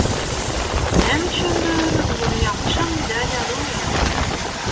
Näme üçindir, muny ýalňyşam däl ýaly görýän.